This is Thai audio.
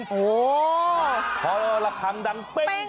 โหพอละพังดังเป้ยง